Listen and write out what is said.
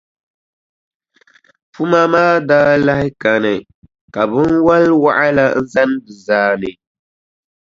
Puma maa daa lahi kani ka binwalʼ waɣila n-zani di zaani.